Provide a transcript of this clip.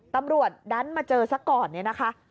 ตำรวจดันมาเจอซะก่อนเนี่ยนะคะ